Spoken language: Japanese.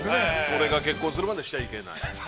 ◆俺が結婚するまでしちゃいけない。